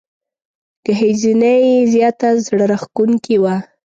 ګهیځنۍ یې زياته زړه راښکونکې وه.